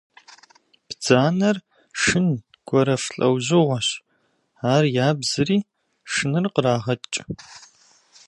Бдзанэр шын, гуэрэф лӏэужьыгъуэщ, ар ябзри шыныр кърагъэкӏ.